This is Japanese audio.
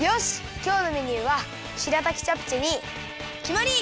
きょうのメニューはしらたきチャプチェにきまり！